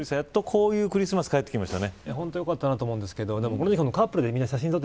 やっとこういうクリスマスが帰ってきましたね。